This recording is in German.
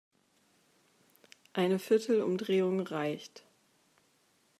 Eine viertel Umdrehung reicht.